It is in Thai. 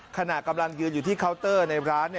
ขณะกำลังยืนอยู่ที่เคาน์เตอร์ในร้าน